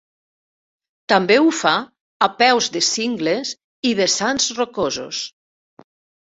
També ho fa a peus de cingles i vessants rocosos.